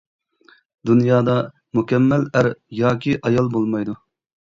دۇنيادا مۇكەممەل ئەر ياكى ئايال بولمايدۇ.